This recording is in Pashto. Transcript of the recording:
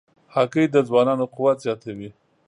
هګۍ د ځوانانو قوت زیاتوي.